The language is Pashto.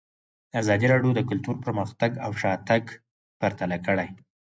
ازادي راډیو د کلتور پرمختګ او شاتګ پرتله کړی.